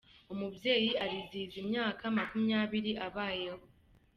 umubyeyi ariizihiza imyaka makumyabiri abayeho